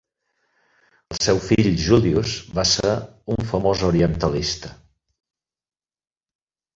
El seu fill Julius va ser un famós orientalista.